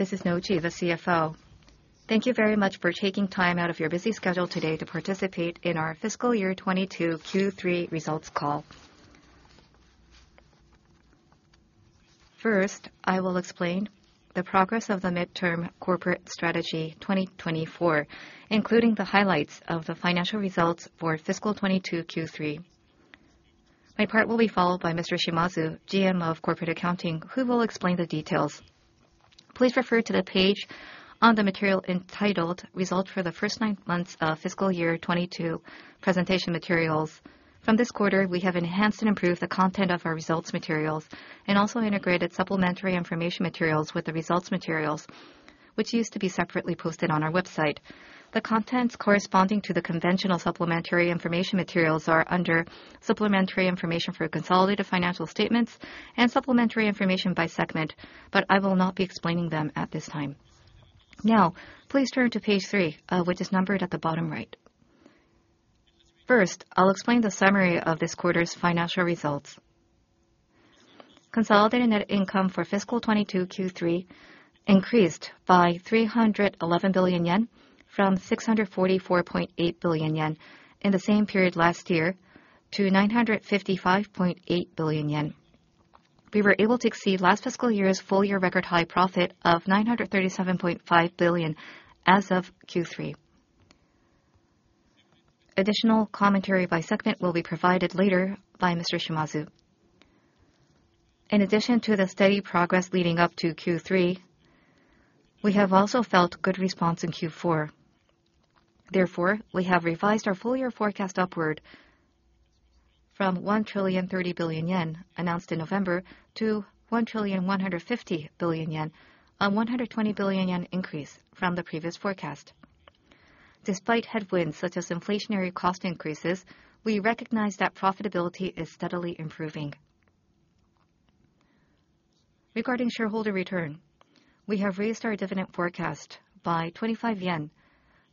This is Noji, the CFO. Thank you very much for taking time out of your busy schedule today to participate in our Fiscal Year 2022 Q3 Results Call. First, I will explain the progress of the Mid-term Corporate Strategy 2024, including the highlights of the financial results for fiscal 2022 Q3. My part will be followed by Mr. Shimazu, GM of Corporate Accounting, who will explain the details. Please refer to the page on the material entitled "Results for the 1st nine months of fiscal year 2022 presentation materials." From this quarter, we have enhanced and improved the content of our results materials and also integrated supplementary information materials with the results materials, which used to be separately posted on our website. The contents corresponding to the conventional supplementary information materials are under supplementary information for consolidated financial statements and supplementary information by segment, but I will not be explaining them at this time. Now please turn to page three, which is numbered at the bottom right. First, I'll explain the summary of this quarter's financial results. Consolidated net income for fiscal 2022 Q3 increased by 311 billion yen from 644.8 billion yen in the same period last year to 955.8 billion yen. We were able to exceed last fiscal year's full year record high profit of 937.5 billion as of Q3. Additional commentary by segment will be provided later by Mr. Shimazu. In addition to the steady progress leading up to Q3, we have also felt good response in Q4. We have revised our full year forecast upward from 1,030 trillion announced in November to 1,150 trillion on 120 billion yen increase from the previous forecast. Despite headwinds such as inflationary cost increases, we recognize that profitability is steadily improving. Regarding shareholder return, we have raised our dividend forecast by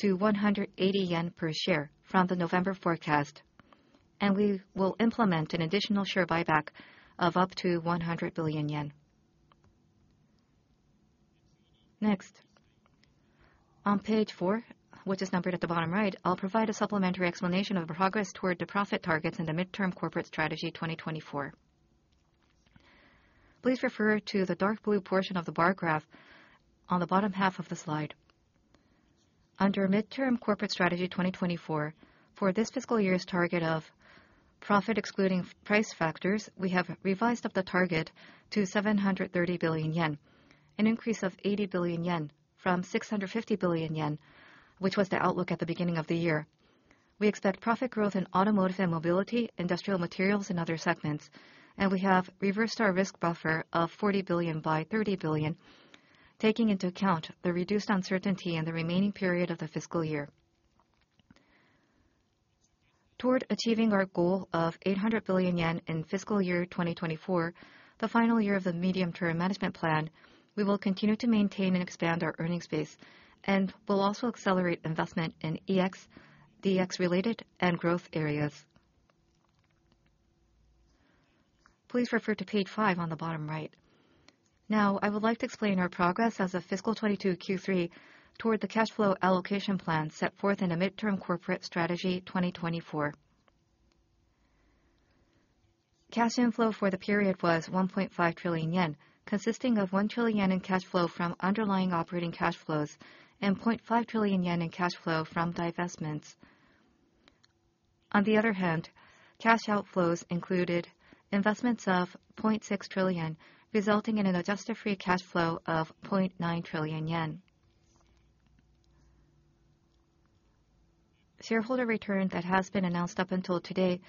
25-180 yen per share from the November forecast, and we will implement an additional share buyback of up to 100 billion yen. On page four, which is numbered at the bottom right, I'll provide a supplementary explanation of our progress toward the profit targets in the Mid-term Corporate Strategy 2024. Please refer to the dark blue portion of the bar graph on the bottom half of the slide. Under Mid-term Corporate Strategy 2024 for this fiscal year's target of profit excluding price factors, we have revised up the target to 730 billion yen, an increase of 80 billion yen from 650 billion yen, which was the outlook at the beginning of the year. We expect profit growth in automotive and mobility, industrial materials and other segments. We have reversed our risk buffer of 40 billion by 30 billion, taking into account the reduced uncertainty in the remaining period of the fiscal year. Toward achieving our goal of 800 billion yen in fiscal year 2024, the final year of the Medium-term Management Plan, we will continue to maintain and expand our earning space and will also accelerate investment in EX, DX related and growth areas. Please refer to page five on the bottom right. Now, I would like to explain our progress as of fiscal 22 Q3 toward the cash flow allocation plan set forth in the Mid-term Corporate Strategy 2024. Cash inflow for the period was 1.5 trillion yen, consisting of 1 trillion yen in cash flow from Underlying operating cash flows and 0.5 trillion yen in cash flow from divestments. On the other hand, cash outflows included investments of 0.6 trillion, resulting in an Adjusted free cash flow of 0.9 trillion yen. Shareholder return that has been announced up until today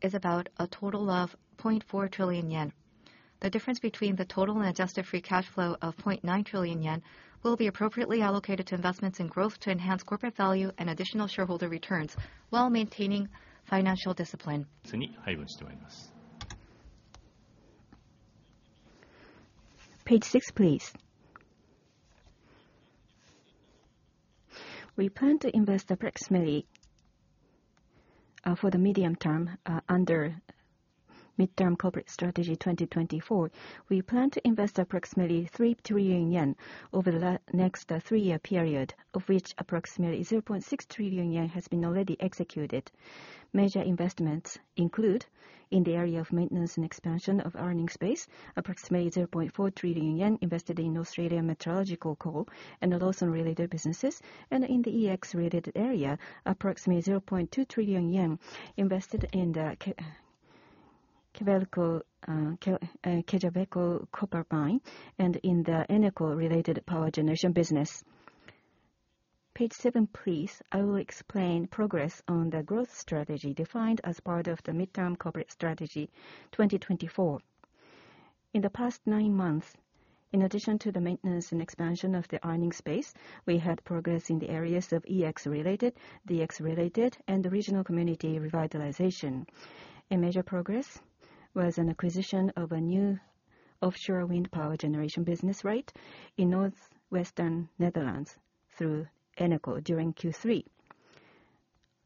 is about a total of 0.4 trillion yen. The difference between the total and Adjusted free cash flow of 0.9 trillion yen will be appropriately allocated to investments in growth to enhance corporate value and additional shareholder returns while maintaining financial discipline. Page six, please. We plan to invest approximately for the medium term under Mid-term Corporate Strategy 2024. We plan to invest approximately 3 trillion yen over the next three year period, of which approximately 0.6 trillion yen has been already executed. Major investments include in the area of maintenance and expansion of earning space, approximately 0.4 trillion yen invested in Australian metallurgical coal and also related businesses, and in the EX related area, approximately 0.2 trillion yen invested in the Quellaveco copper mine and in the Eneco related power generation business. Page seven, please. I will explain progress on the growth strategy defined as part of the Mid-term Corporate Strategy 2024. In the past nine months, in addition to the maintenance and expansion of the earning space, we had progress in the areas of EX related, DX related, and the regional community revitalization. A major progress was an acquisition of a new offshore wind power generation business in Northwestern Netherlands through Eneco during Q3.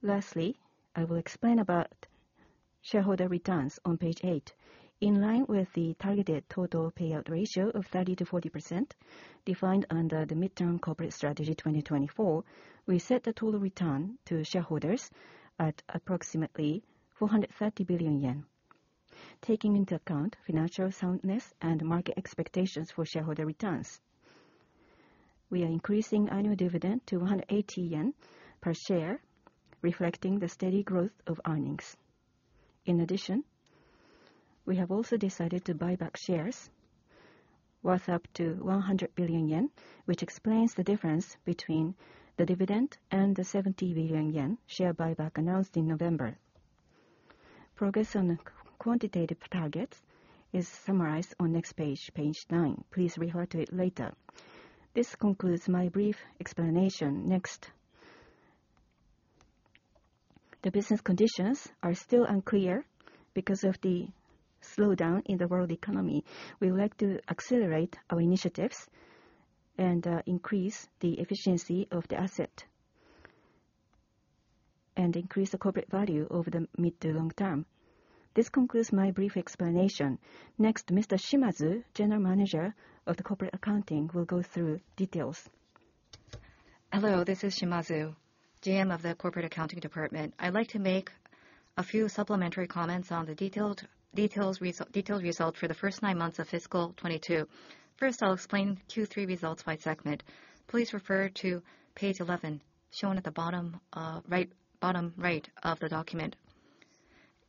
Lastly, I will explain about shareholder returns on page eight. In line with the targeted total payout ratio of 30%-40% defined under the Mid-term Corporate Strategy 2024, we set the total return to shareholders at approximately 430 billion yen. Taking into account financial soundness and market expectations for shareholder returns, we are increasing annual dividend to 180 yen per share, reflecting the steady growth of earnings. We have also decided to buy back shares worth up to 100 billion yen, which explains the difference between the dividend and the 70 billion yen share buyback announced in November. Progress on quantitative targets is summarized on next page nine. Please refer to it later. This concludes my brief explanation. The business conditions are still unclear because of the slowdown in the world economy. We would like to accelerate our initiatives and increase the efficiency of the asset and increase the corporate value over the mid to long term. This concludes my brief explanation. Next, Mr. Shimazu, General Manager of the Corporate Accounting, will go through details. Hello, this is Shimazu, GM of the Corporate Accounting Department. I'd like to make a few supplementary comments on the detailed result for the 1st nine months of fiscal 2022. First, I'll explain Q3 results by segment. Please refer to page 11, shown at the bottom, right, bottom right of the document.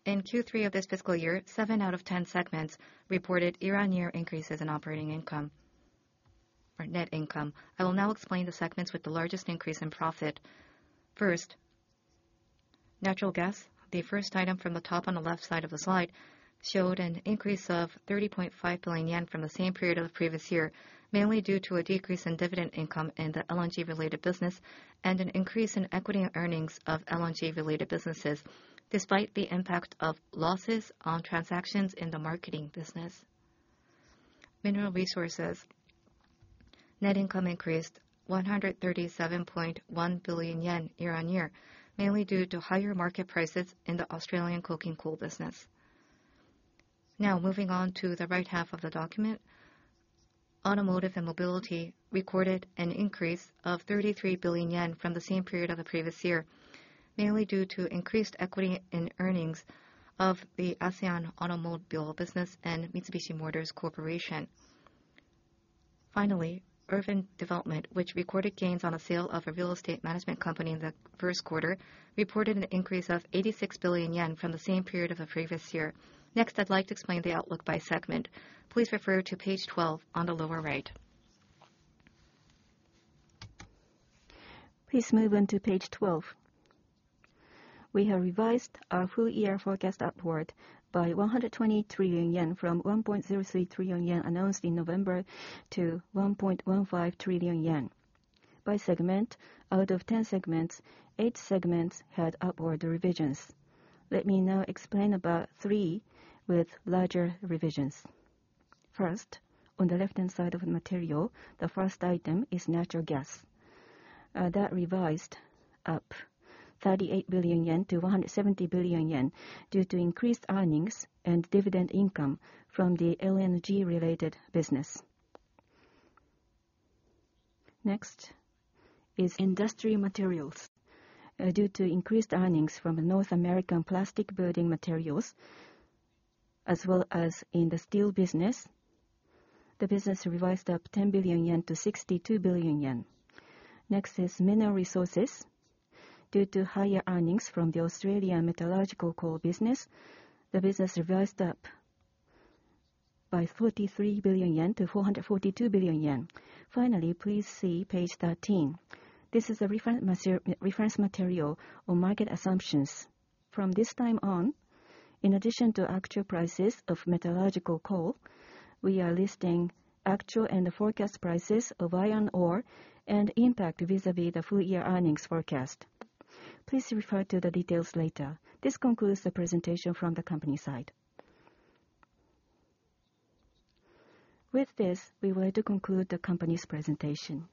In Q3 of this fiscal year, 7/10 segments reported year-on-year increases in operating income or net income. I will now explain the segments with the largest increase in profit. Natural gas, the 1st item from the top on the left side of the slide, showed an increase of 30.5 billion yen from the same period of the previous year, mainly due to a decrease in dividend income in the LNG-related business and an increase in equity and earnings of LNG-related businesses despite the impact of losses on transactions in the marketing business. Mineral resources. Net income increased 137.1 billion yen year-on-year, mainly due to higher market prices in the Australian coking coal business. Moving on to the right half of the document, automotive and mobility recorded an increase of 33 billion yen from the same period of the previous year, mainly due to increased equity in earnings of the ASEAN automobile business and Mitsubishi Motors Corporation. Finally, urban development, which recorded gains on the sale of a real estate management company in the 1st quarter, reported an increase of 86 billion yen from the same period of the previous year. I'd like to explain the outlook by segment. Please refer to page 12 on the lower right. Please move on to page 12. We have revised our full year forecast upward by 120 trillion yen from 1.03 trillion yen announced in November to 1.15 trillion yen. By segment, out of 10 segments, eight segments had upward revisions. Let me now explain about three with larger revisions. First, on the left-hand side of the material, the 1st item is natural gas. That revised up 38 billion-170 billion yen due to increased earnings and dividend income from the LNG-related business. Next is industrial materials. Due to increased earnings from the North American plastic building materials as well as in the steel business, the business revised up 10 billion-62 billion yen. Next is mineral resources. Due to higher earnings from the Australian metallurgical coal business, the business revised up by 43 billion-442 billion yen. Finally, please see page 13. This is a reference material on market assumptions. From this time on, in addition to actual prices of metallurgical coal, we are listing actual and forecast prices of iron ore and impact vis-à-vis the full year earnings forecast. Please refer to the details later. This concludes the presentation from the company side. With this, we would like to conclude the company's presentation.